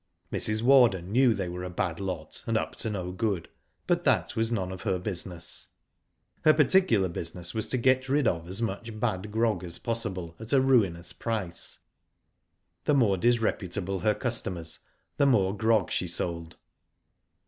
Mrs. Warden knew they were a bad lot and up to no good, but that was none of her business. Her particular business was to get rid of as much bad grog as possible at a ruinous price. The more disreputable her customers, the more grog she sold.